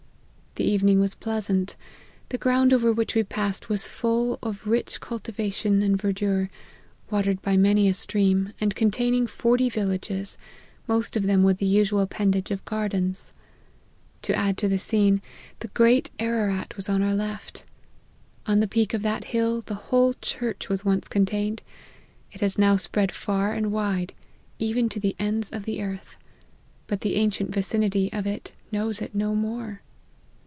The evening was pleasant ; the ground over which we passed was full of rich cultivation and verdure, watered by many a stream, and containing forty villages, most of them with the usual appendage of gardens. To add to the scene, the great Ararat was on our left. On the peak of that hill the whole church was once contained ; it has now spread far and wide, even to the ends of the earth ; but the ancient vicinity of it knows it no more.